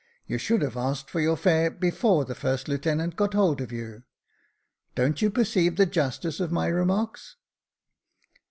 You should have asked for your fare before the first lieutenant got hold of you. Don't you perceive the justice of my remarks